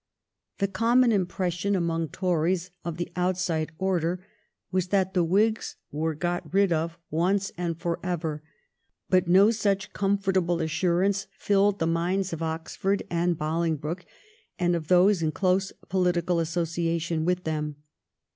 The common impression among Tories of the outside order was that the Whigs were got rid of once and for ever, but no such com fortable assurance filled the minds of Oxford and Bolingbroke, and of those in close political associa tion with them.